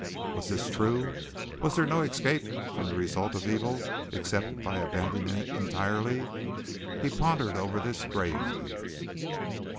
Was this true? Was there no escape from the results of evil except by abandoning it entirely? He pondered over this gravely.